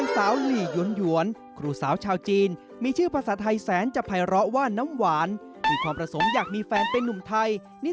ใครที่มีสเปกเป็นสาวหมวยนี่ต้องติดตามนะ